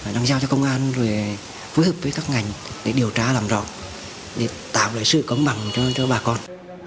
đang giao cho công an rồi phối hợp với các ngành để điều tra làm rõ để tạo lại sự công bằng cho bà con